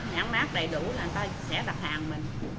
nhãn mát đầy đủ là người ta sẽ đặt hàng mình